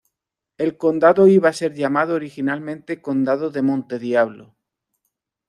El condado iba a ser llamado originalmente Condado de Monte Diablo.